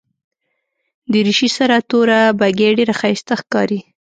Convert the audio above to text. دریشي سره توره بګۍ ډېره ښایسته ښکاري.